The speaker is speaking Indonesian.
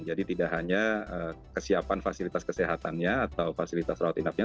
jadi tidak hanya kesiapan fasilitas kesehatannya atau fasilitas rawat inapnya